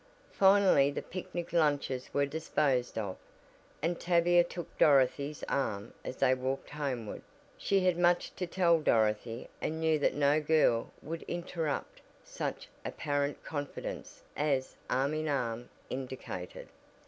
Finally the picnic lunches were disposed of, and Tavia took Dorothy's arm as they walked homeward she had much to tell Dorothy and knew that no girl would interrupt such apparent confidence as "arm in arm" indicated.